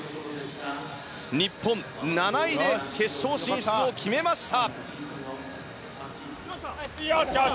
日本、７位で決勝進出を決めました。